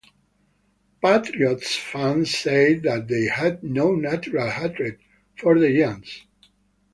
Patriots fans said that they had no natural hatred for the Giants.